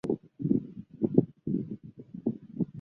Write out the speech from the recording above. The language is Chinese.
宜宾碘泡虫为碘泡科碘泡虫属的动物。